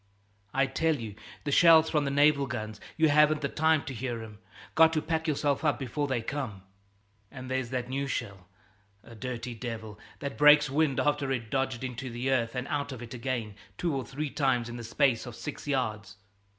"I tell you, the shells from the naval guns, you haven't the time to hear 'em. Got to pack yourself up before they come." "And there's that new shell, a dirty devil, that breaks wind after it's dodged into the earth and out of it again two or three times in the space of six yards.